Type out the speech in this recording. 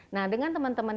nah dengan teman teman